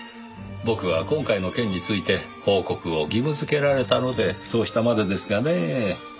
僕は今回の件について報告を義務付けられたのでそうしたまでですがねぇ。